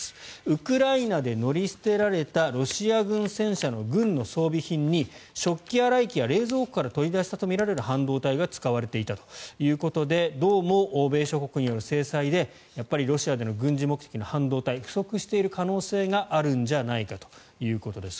ウクライナで乗り捨てられたロシア軍戦車の軍の装備品に食器洗い機や冷蔵庫から取り出したとみられる半導体が使われていたということでどうも欧米諸国の制裁でロシアでの軍事目的の半導体が不足している可能性があるんじゃないかということです。